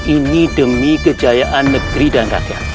ini demi kejayaan negeri dan rakyat